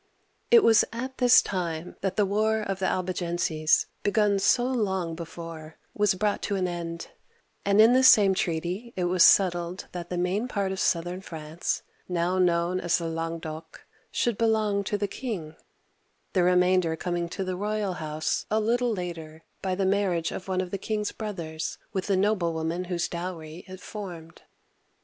It was at this time that the war of the Albigenses, be gun so long before, was brought to an end, and in this same treaty it was settled that the main part of south ern France — now known as the Languedoc (laNg doc') — should belong to the king, the remainder coming to the royal house a little later by the marriage of one of the king's brothers with the noblewoman whose dowry it formed.